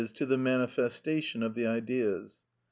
_, to the manifestation of the Ideas.